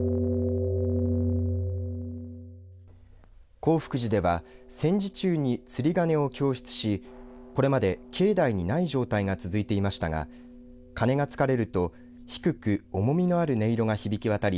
興福寺では戦時中に釣り鐘を供出しこれまで境内にない状態が続いていましたが鐘がつかれると低く重みのある音色が響き渡り